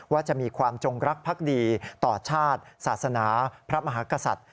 ว่าจะมีความจงรักภักดีต่อชาติศาสนาพระมหากษัตริย์